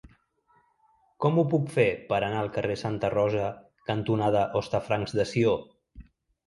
Com ho puc fer per anar al carrer Santa Rosa cantonada Hostafrancs de Sió?